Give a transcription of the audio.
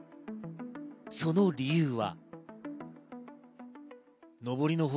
その理由は。